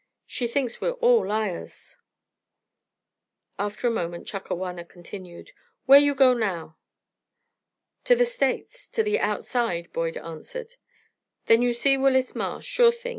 "She thinks we're all liars." After a moment, Chakawana continued, "Where you go now?" "To the States; to the 'outside,'" Boyd answered. "Then you see Willis Marsh, sure thing.